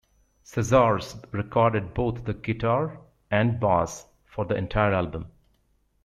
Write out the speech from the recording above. Cazares recorded both the guitar and bass for the entire album.